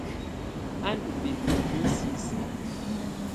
A ndu bɛfa luǝ́ sisiǝ.